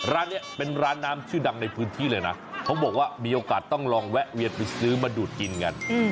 ร้านนี้เป็นร้านน้ำชื่อดังในพื้นที่เลยนะเขาบอกว่ามีโอกาสต้องลองแวะเวียนไปซื้อมาดูดกินกัน